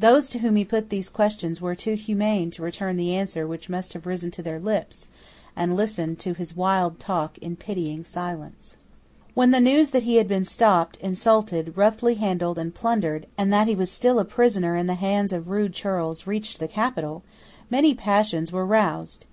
Those to whom he put these questions were too humane to return the answer which must have risen to their lips, and listened to his wild talk in pitying silence. When the news that he had been stopped, insulted, roughly handled, and plundered, and that he was still a prisoner in the hands of rude churls, reached the capital, many passions were roused.